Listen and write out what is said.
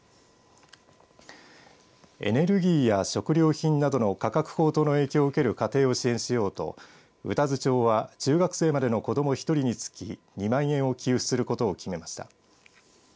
エネルギーや食料品などの価格高騰の影響を受ける家庭を支援しようと宇多津町は中学生までの子ども１人につき２万円を給付することを決めました。